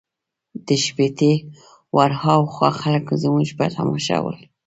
د شېشې ورهاخوا خلک زموږ په تماشه ول.